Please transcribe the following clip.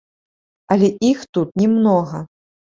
Але іх тут не многа.